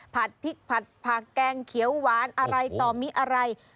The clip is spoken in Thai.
พริกผัดผักแกงเขียวหวานอะไรต่อมีอะไร